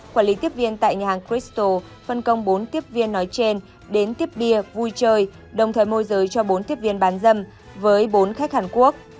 quản lý tiếp viên tại nhà hàng christo phân công bốn tiếp viên nói trên đến tiếp bia vui chơi đồng thời môi giới cho bốn tiếp viên bán dâm với bốn khách hàn quốc